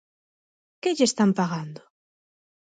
Que lle están pagando?